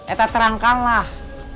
etak terangkan lah